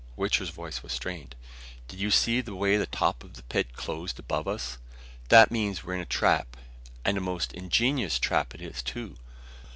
Wichter's voice was strained. "Did you see the way the top of the pit closed above us? That means we're in a trap. And a most ingenious trap it is, too!